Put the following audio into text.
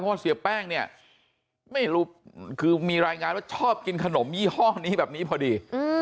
เพราะว่าเสียแป้งเนี่ยไม่รู้คือมีรายงานว่าชอบกินขนมยี่ห้อนี้แบบนี้พอดี